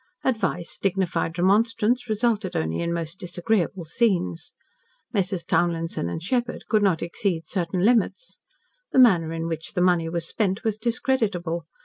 Advice, dignified remonstrance, resulted only in most disagreeable scenes. Messrs. Townlinson & Sheppard could not exceed certain limits. The manner in which the money was spent was discreditable.